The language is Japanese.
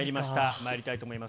まいりたいと思います。